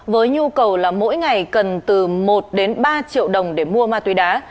với nhu cầu là mỗi ngày cần từ một đến ba triệu đồng để mua ma túy đá